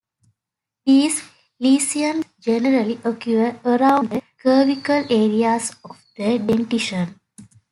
These lesions generally occur around the cervical areas of the dentition.